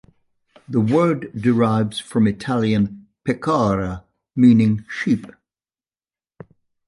The word derives from Italian "pecora" meaning sheep.